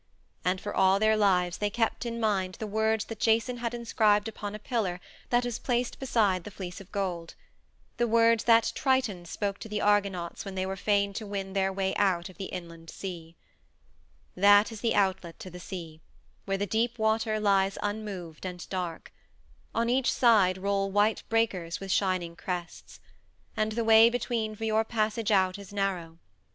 And for all their lives they kept in mind the words that Jason had inscribed upon a pillar that was placed beside the Fleece of Gold the words that Triton spoke to the Argonauts when they were fain to win their way out of the inland sea: THAT IS THE OUTLET TO THE SEA, WHERE THE DEEP WATER LIES UNMOVED AND DARK; ON EACH SIDE ROLL WHITE BREAKERS WITH SHINING CRESTS; AND THE WAY BETWEEN FOR YOUR PASSAGE OUT IS NARROW.